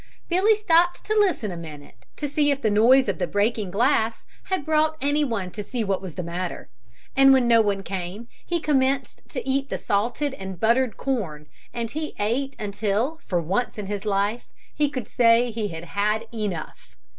Billy stopped to listen a minute to see if the noise of the breaking glass had brought anyone to see what was the matter, and when no one came, he commenced to eat the salted and buttered corn, and he ate until for once in his life he could say he had had enough.